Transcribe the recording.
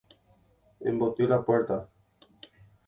Emboty la puerta.